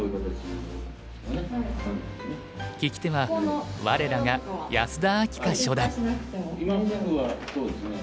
聞き手は我らが安田明夏初段。